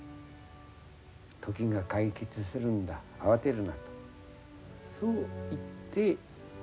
「時が解決するんだ慌てるな」とそう言って。